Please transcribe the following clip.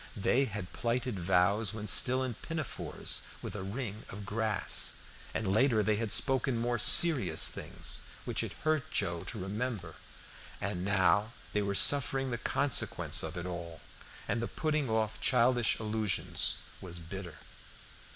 They had plighted vows when still in pinafores with a ring of grass, and later they had spoken more serious things, which it hurt Joe to remember, and now they were suffering the consequence of it all, and the putting off childish illusions was bitter.